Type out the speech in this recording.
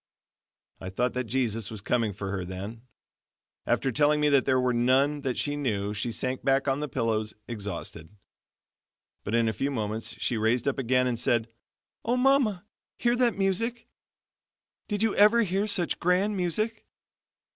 I thought that Jesus was coming for her then. After telling me that there were none that she knew she sank back on the pillows exhausted. But in a few moments she raised up again and said: "Oh, Mama, hear that music! Did you ever hear such grand music?